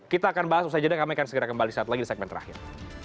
kita akan bahas setelah itu kami akan segera kembali lagi di segmen terakhir